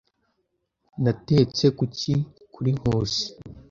Natetse kuki kuri Nkusi.